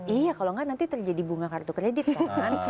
iya kalau nggak nanti terjadi bunga kartu kredit ya kan